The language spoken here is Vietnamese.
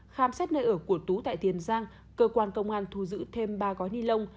khám xét nơi ở của tú tại tiền giang cơ quan công an thu giữ thêm ba gói ni lông